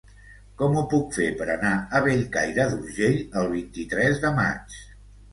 Com ho puc fer per anar a Bellcaire d'Urgell el vint-i-tres de maig?